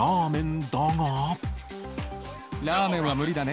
ラーメンは無理だね。